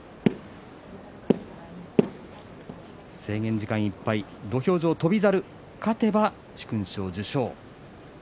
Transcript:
制限時間いっぱい土俵上、翔猿勝てば殊勲賞、受賞。